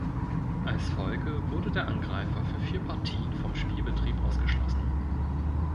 Als Folge wurde der Angreifer für vier Partien vom Spielbetrieb ausgeschlossen.